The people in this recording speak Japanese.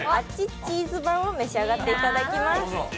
チーズ円盤を召し上がっていただきます。